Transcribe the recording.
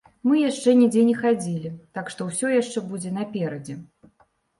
Мы яшчэ нідзе не хадзілі, так што ўсё яшчэ будзе наперадзе.